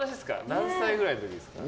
何歳ぐらいの話ですか。